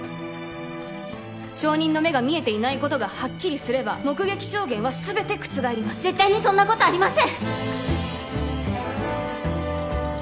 証人の目が見えていないことがはっきりすれば目撃証言は全て覆ります絶対にそんなことありません！